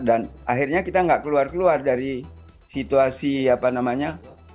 dan akhirnya kita nggak keluar keluar dari situasi apa namanya